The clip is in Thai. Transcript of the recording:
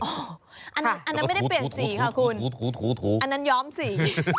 อันนั้นไม่ได้เปลี่ยนสีค่ะคุณอันนั้นย้อมสี